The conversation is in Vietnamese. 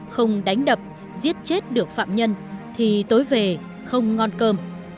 không đánh đập giết chết được phạm nhân thì tối về không ngon cơm